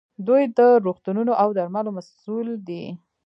دوی د روغتونونو او درملو مسوول دي.